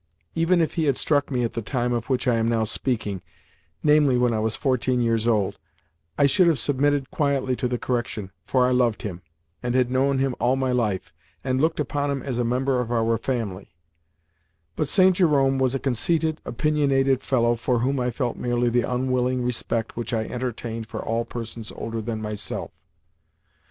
Even if he had struck me at the time of which I am now speaking (namely, when I was fourteen years old), I should have submitted quietly to the correction, for I loved him, and had known him all my life, and looked upon him as a member of our family, but St. Jerome was a conceited, opinionated fellow for whom I felt merely the unwilling respect which I entertained for all persons older than myself.